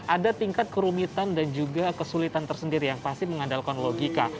ada tingkat kerumitan dan juga kesulitan tersendiri yang pasti mengandalkan logika